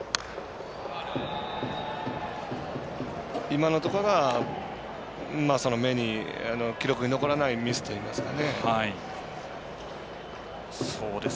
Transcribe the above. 今のとかが記録に残らないミスといいますか。